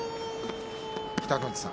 北の富士さん